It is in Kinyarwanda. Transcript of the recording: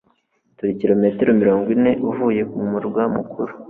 turi kilometero mirongo ine uvuye mumurwa mukuru